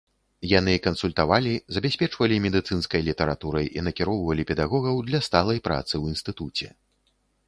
Яны кансультавалі, забяспечвалі медыцынскай літаратурай і накіроўвалі педагогаў для сталай працы ў інстытуце.